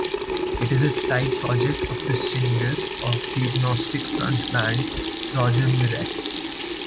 It is a side project of the singer of the Agnostic Front band, Roger Miret.